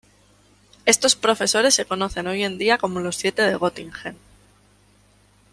Estos profesores se conocen hoy en día como los "Siete de Göttingen".